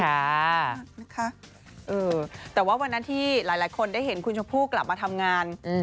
ค่ะนะคะเออแต่ว่าวันนั้นที่หลายคนได้เห็นคุณชมพู่กลับมาทำงาน